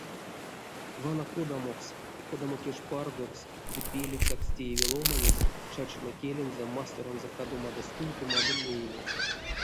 Вана кодамокс, кодамо кежпаргокс ды пелицякс тееви ломанесь чачома келензэ, масторонзо кадомадо-стувтомадо мейле».